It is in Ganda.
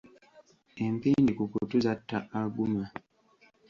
Empindi ku kutu zatta Aguma